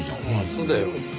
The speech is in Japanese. そうだよ。